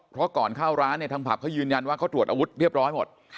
เพราะก่อนเข้าร้านเนี่ยทางผับเขายืนยันว่าเขาตรวจอาวุธเรียบร้อยหมด